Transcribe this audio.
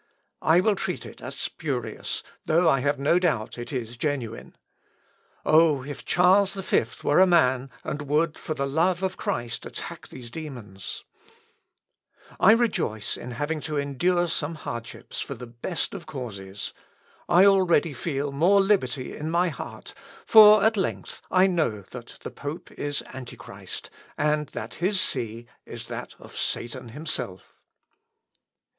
I will treat it as spurious, though I have no doubt it is genuine. O, if Charles V were a man, and would, for the love of Christ, attack these demons! I rejoice in having to endure some hardships for the best of causes. I already feel more liberty in my heart; for at length I know that the pope is Antichrist, and that his see is that of Satan himself."